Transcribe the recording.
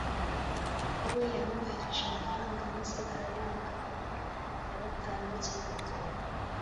papa we yamwoherereje amafaranga maze arayanga kuko yabataye bakiri bato